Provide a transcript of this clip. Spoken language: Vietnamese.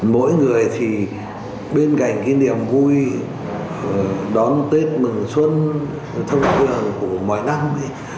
mỗi người thì bên cạnh cái niềm vui đón tết mừng xuân thông thường của mọi năm ấy